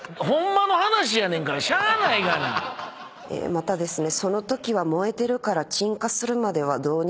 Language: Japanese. またですね。